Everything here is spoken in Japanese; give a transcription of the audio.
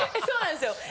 そうなんですよ。